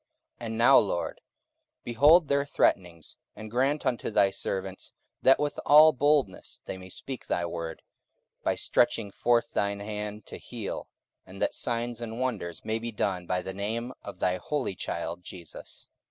44:004:029 And now, Lord, behold their threatenings: and grant unto thy servants, that with all boldness they may speak thy word, 44:004:030 By stretching forth thine hand to heal; and that signs and wonders may be done by the name of thy holy child Jesus.